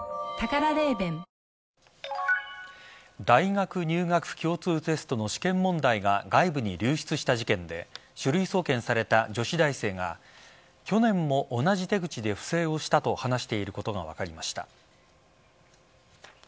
大学入学共通テストの試験問題が外部に流出した事件で書類送検された女子大生が去年も同じ手口で不正をしたと話していることが分かりました。